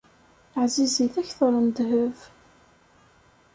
Ɛzizit akter n ddheb.